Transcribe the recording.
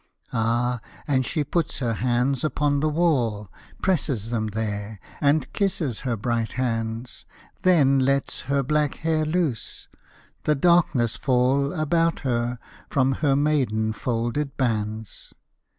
Ah, and she puts her hands upon the wall, Presses them there, and kisses her bright hands, Then lets her black hair loose, the darkness fall About her from her maiden folded bands.